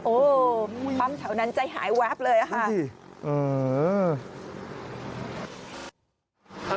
โอ้ปั๊มแถวนั้นใจหายแวบเลยค่ะ